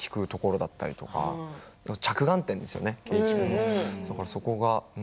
そこの機転の利くところだったりとか着眼点ですよね。